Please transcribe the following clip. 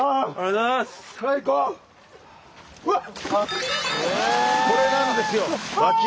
うわっ！